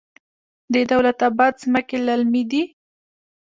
د دولت اباد ځمکې للمي دي